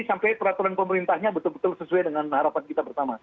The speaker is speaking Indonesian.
sampai peraturan pemerintahnya betul betul sesuai dengan harapan kita pertama